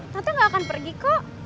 tante gak akan pergi kok